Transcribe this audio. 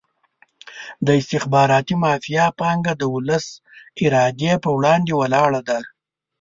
د استخباراتي مافیا پانګه د ولس ارادې په وړاندې ولاړه ده.